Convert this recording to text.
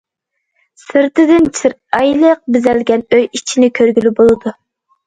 سىرتىدىن چىرايلىق بېزەلگەن ئۆي ئىچىنى كۆرگىلى بولىدۇ.